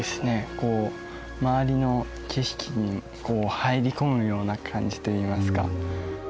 こう周りの景色に入り込むような感じといいますか。